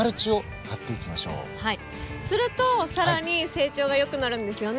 すると更に成長が良くなるんですよね？